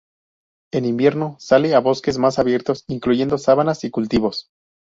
En invierno, sale a bosques más abiertos incluyendo sabanas y cultivos.